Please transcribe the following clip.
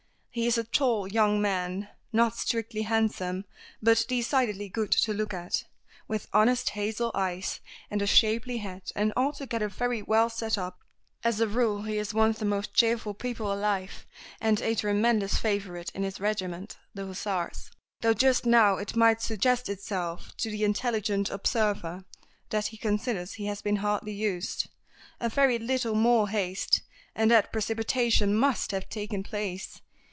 He is a tall young man, not strictly handsome, but decidedly good to look at, with honest hazel eyes, and a shapely head, and altogether very well set up. As a rule he is one of the most cheerful people alive, and a tremendous favorite in his regiment, the Hussars, though just now it might suggest itself to the intelligent observer that he considers he has been hardly used. A very little more haste, and that precipitation must have taken place.